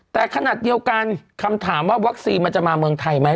แต่ขนาดเดียวกันคำถามว่าวัคซีนมันจะมาเมืองไทยไหม